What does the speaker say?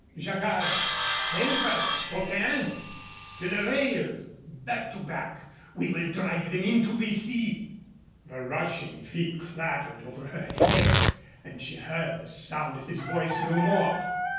Jacquard, help us, coquin!... To the rail ... back to back ... we will drive them ... into the sea!" The rushing feet clattered over her head and she heard the sound of his voice no more.